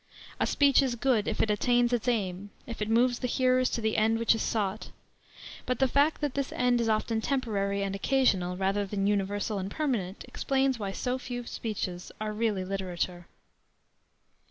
A speech is good if it attains its aim, if it moves the hearers to the end which is sought. But the fact that this end is often temporary and occasional, rather than universal and permanent explains why so few speeches are really literature.